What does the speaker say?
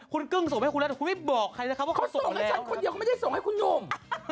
เค้าส่งให้ฉันคนเดียวเค้าไม่ได้ส่งให้คุณลุ่ม